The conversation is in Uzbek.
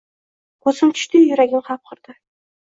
Ko’zim tushdiyu yuragim hapriqdi.